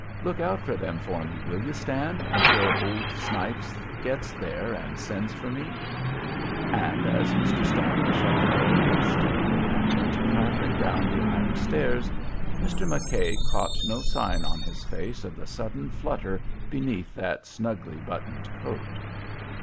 Look out for them for me, will you, Stan, until old Snipes gets there and sends for me?" And as Mr. Stanley shut the door instantly and went clattering down the iron stairs, Mr. McKay caught no sign on his face of the sudden flutter beneath that snugly buttoned coat.